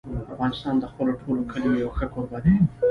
افغانستان د خپلو ټولو کلیو یو ښه کوربه دی.